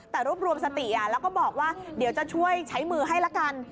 แต่รวบรวมสติแล้วก็บอกว่าเดี๋ยวจะช่วยใช้มือให้ละกัน